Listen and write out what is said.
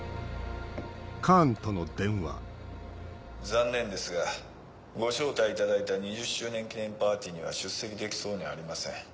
残念ですがご招待いただ２０周年記念パーティーには出席できそうにありません。